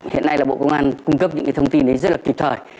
hiện nay bộ công an cung cấp những thông tin rất là kịp thời